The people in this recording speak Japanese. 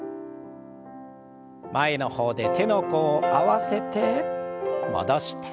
前の方で手の甲を合わせて戻して。